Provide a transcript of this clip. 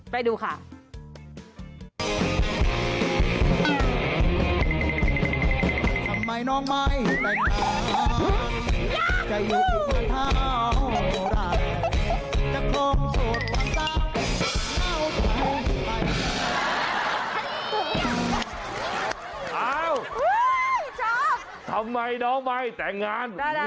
ไปดูค่ะ